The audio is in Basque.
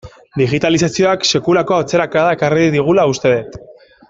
Digitalizazioak sekulako atzerakada ekarri digula uste dut.